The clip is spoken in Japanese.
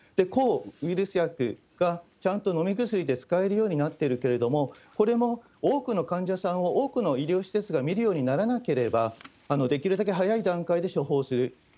抗ウイルス薬がちゃんと飲み薬で使えるようになっているけれども、これも多くの患者さんを多くの医療施設が診るようにならなければ、できるだけ早い段階で処方する。